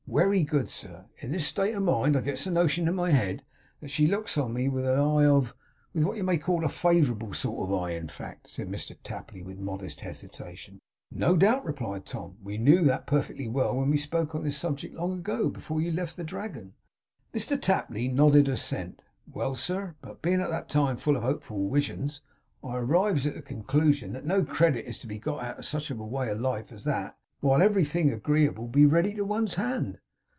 Wery good, sir. In this state of mind, I gets a notion in my head that she looks on me with a eye of with what you may call a favourable sort of a eye in fact,' said Mr Tapley, with modest hesitation. 'No doubt,' replied Tom. 'We knew that perfectly well when we spoke on this subject long ago; before you left the Dragon.' Mr Tapley nodded assent. 'Well, sir! But bein' at that time full of hopeful wisions, I arrives at the conclusion that no credit is to be got out of such a way of life as that, where everything agreeable would be ready to one's hand.